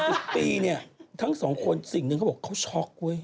ทุกปีเนี่ยทั้งสองคนสิ่งหนึ่งเขาบอกเขาช็อกเว้ย